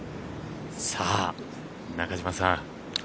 さあ、中嶋さん